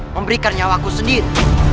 memberikan nyawaku sendiri